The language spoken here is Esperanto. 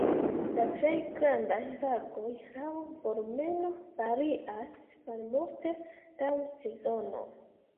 La plej grandaj lagoj laŭ volumeno varias malmulte laŭ sezono.